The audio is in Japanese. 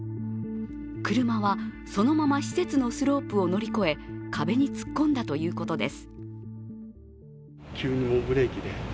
車はそのまま施設のスロープを乗り越え壁に突っ込んだということです。